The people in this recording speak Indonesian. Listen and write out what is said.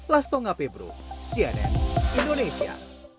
lastonga pebru cnn indonesia